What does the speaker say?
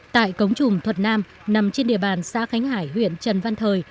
tại cống trùm thuật nam nằm trên địa bàn xã khánh hải huyện trần văn thời